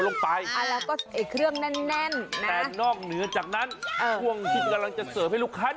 ลงไปแล้วก็เครื่องแน่นแต่นอกเหนือจากนั้นช่วงที่กำลังจะเสิร์ฟให้ลูกค้า